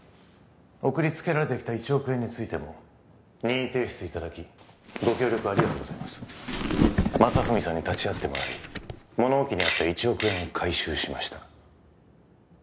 送りつけられてきた１億円についても任意提出いただきご協力ありがとうございます正文さんに立ち会ってもらい物置にあった１億円を回収しました